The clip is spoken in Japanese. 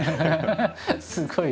すごい！